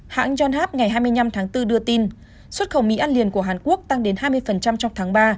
hãng yonhap ngày hai mươi năm tháng bốn đưa tin xuất khẩu mỹ ăn liền của hàn quốc tăng đến hai mươi trong tháng ba